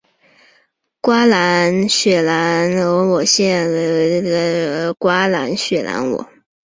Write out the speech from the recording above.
瓜拉雪兰莪县的县城和县府皆为瓜拉雪兰莪。